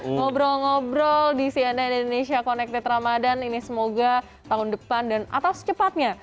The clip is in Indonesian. ngobrol ngobrol di cnn indonesia connected ramadhan ini semoga tahun depan dan atau secepatnya